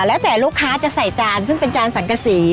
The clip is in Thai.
แล้วแต่ลูกค้าจะใส่จานซึ่งเป็นจานสังกษี